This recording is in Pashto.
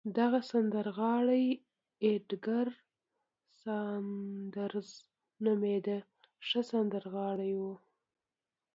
دغه سندرغاړی اېدګر ساندرز نومېده، ښه سندرغاړی و.